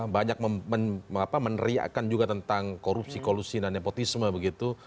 banyak meneriakan juga tentang korupsi kolusi dan nepotisme begitu